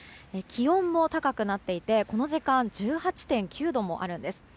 気温も高くなっていて、この時間１８．９度もあるんです。